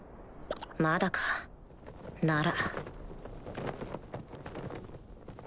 まだかなら